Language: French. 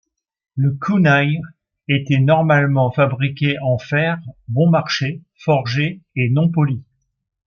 Le kunaï était normalement fabriqué en fer bon marché forgé et non poli.